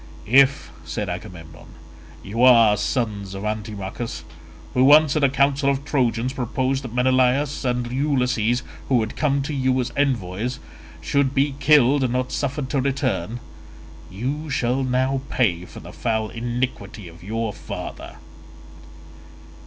"If," said Agamemnon, "you are sons of Antimachus, who once at a council of Trojans proposed that Menelaus and Ulysses, who had come to you as envoys, should be killed and not suffered to return, you shall now pay for the foul iniquity of your father."